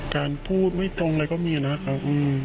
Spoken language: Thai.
การพูดไม่ตรงอะไรก็มีนะครับ